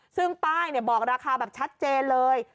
ซึ่งป้ายบอกราคาแบบชัดเจนเลย